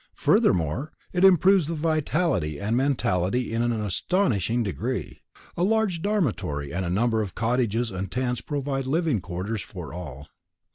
Furthermore, it improves the vitality and mentality in an astonishing degree. A large dormitory, and a number of cottages and tents provide living quarters for all.